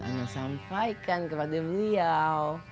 ana sampaikan kepada beliau